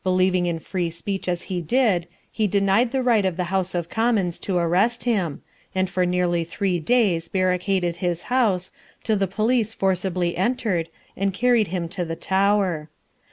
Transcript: Believing in free speech as he did, he denied the right of the House of Commons to arrest him, and for nearly three days barricaded his house, till the police forcibly entered, and carried him to the Tower.